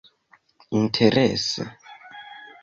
Interese